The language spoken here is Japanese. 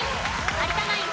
有田ナイン